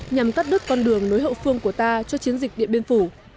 nhằm cắt đứt con đường nối hậu phương của ta cho chiến dịch điện biên phủ